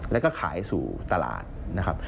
แล้วก็ขายสู่ตลาดนะครับ